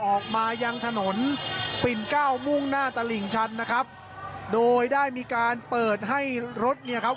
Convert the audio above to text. ออกมายังถนนปิ่นเก้ามุ่งหน้าตลิ่งชันนะครับโดยได้มีการเปิดให้รถเนี่ยครับ